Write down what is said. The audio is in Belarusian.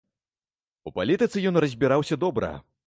У палітыцы ён разбіраўся добра.